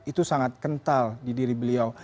itu sangat kental di diri beliau